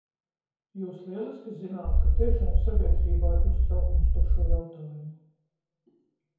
Jūs lieliski zināt, ka tiešām sabiedrībā ir uztraukums par šo jautājumu.